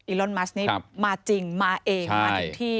อิรอนมัสมาจริงมาเอกมาถึงที่